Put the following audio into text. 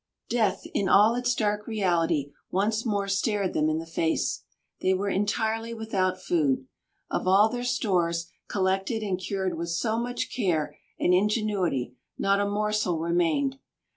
Death in all its dark reality once more stared them in the face. They were entirely without food. Of all their stores, collected and cured with so much care and ingenuity, not a morsel remained.